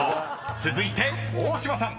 続いて大島さん］